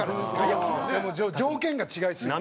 いや条件が違いすぎて。